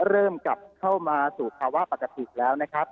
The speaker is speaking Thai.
เริ่มกลับเข้ามาสู่ภาวะปกติแล้วนะครับ